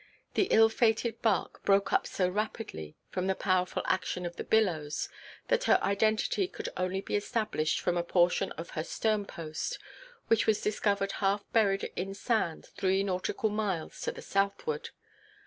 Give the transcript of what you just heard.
The ill–fated bark broke up so rapidly, from the powerful action of the billows, that her identity could only be established from a portion of her sternpost, which was discovered half buried in sand three nautical miles to the southward.